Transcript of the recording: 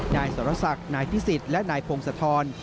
นายสรศักดิ์นายพิสิทธิ์และนายพงศธร